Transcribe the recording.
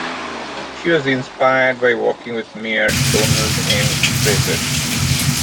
She was inspired by working with mayor Donald M. Fraser.